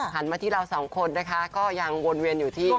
มาที่เราสองคนนะคะก็ยังวนเวียนอยู่ที่